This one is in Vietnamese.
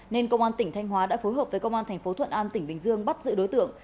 nên công an tỉnh thanh hóa đã phối hợp với công an thành phố thuận an tỉnh bình dương bắt giữ đối tượng